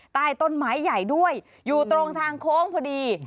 ใต้ต้นไม้ใหญ่ด้วยอยู่ตรงทางโค้งพอดี